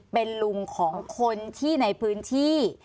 เป็นลุงของคนที่ในพื้นที่